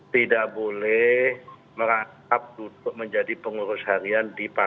tidak boleh merangkap duduk menjadi pengurus harian di papua